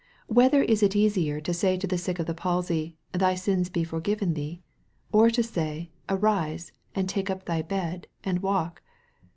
9 Whether is it easier to say to the sick of the palsy, Thy sins be foi given thee ; or to say, Arise, and take up thy bed, and walk